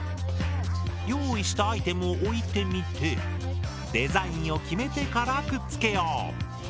用意したアイテムを置いてみてデザインを決めてからくっつけよう。